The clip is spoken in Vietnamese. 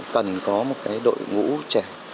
cần có một đội ngũ trẻ